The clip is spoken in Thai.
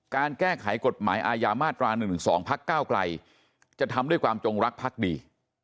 การแก้ไขกฎหมายอาญามาตรา๑๑๒พักก้าวไกลจะทำด้วยความจงรักพักดี